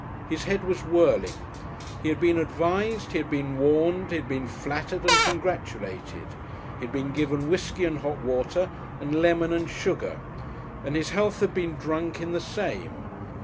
His head was whirling. He had been advised, he had been warned, he had been flattered and congratulated, he had been given whiskey and hot water and lemon and sugar, and his health had been drunk in the same.